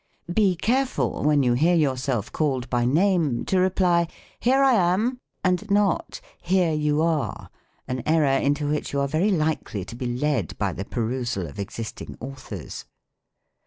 Be careful, when you hear yourself called by name, to reply "Here I am," and not "Here you are," an error into which you are very likely to be led by the perusal of existing authors.